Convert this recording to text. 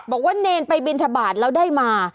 บอกว่าเนนไปบิญธบาตรแล้วได้มา